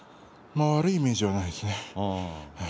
悪いイメージはないですね。